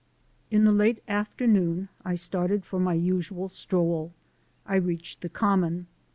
In the late afternoon I started for my usual stroll. I reached the Common.